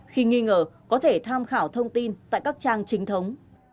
khi nghi ngờ có thể tham khảo thông tin tại các trang chính thống